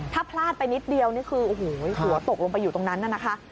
ถ้าพลาดไปนิดเดียวนี่คือโอ้โหหัวตกลงไปอยู่ตรงนั้นน่ะนะคะ